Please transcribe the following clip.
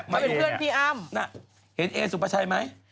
มายุไม่ต้องถามอะไรป๊ายเยอะก็ได้